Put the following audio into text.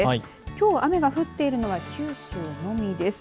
きょう、雨が降っているのは九州のみです。